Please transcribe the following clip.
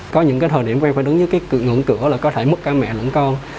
có những cái thời điểm em phải đứng dưới cái ngưỡng cửa là có thể mất cả mẹ lẫn con